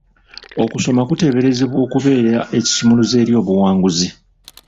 Okusoma kuteeberezebwa okubeera ekisumuluzo eri obuwanguzi.